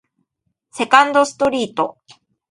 セカンドストリート